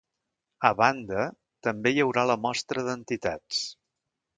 A banda, també hi haurà la mostra d’entitats.